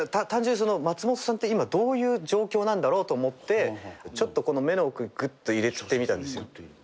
単純に松本さんって今どういう状況なんだろうと思ってちょっと目の奥グッと入れてみたんですよ。